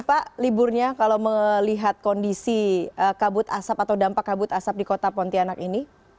pak liburnya kalau melihat kondisi kabut asap atau dampak kabut asap di kota pontianak ini